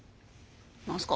何すか？